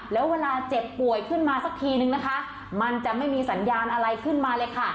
แล้วเวลาเจ็บป่วยขึ้นมาสักทีนึงนะคะมันจะไม่มีสัญญาณอะไรขึ้นมาเลยค่ะ